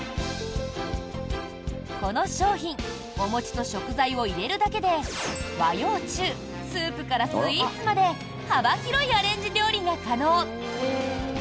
この商品お餅と食材を入れるだけで和洋中、スープからスイーツまで幅広いアレンジ料理が可能。